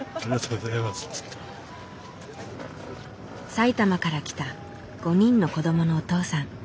埼玉から来た５人の子どものお父さん。